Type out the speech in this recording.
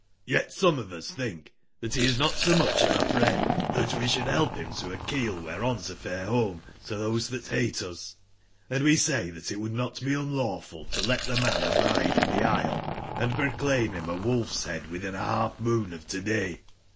Y^l^ some of us tbink tbat be is not so mucb our friend tbat wc sbould belp bim to a keel wbercon to fare bome to tbose tbat bate us : and we say tbat it would not be unlawful to let tbe man abide in tbe isle, & proclaim bim a wolfs/bcadwitbin a balf/moon of to/day.